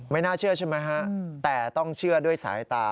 น่าเชื่อใช่ไหมฮะแต่ต้องเชื่อด้วยสายตา